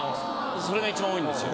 それが一番多いんですよ。